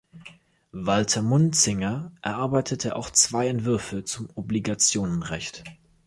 Walther Munzinger erarbeitete auch zwei Entwürfe zum Obligationenrecht.